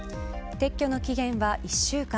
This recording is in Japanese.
撤去の期限は１週間。